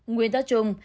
nguyên tắc chung